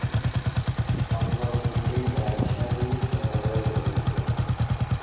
সংগঠনটি রাজশাহী শহরে অবস্থিত।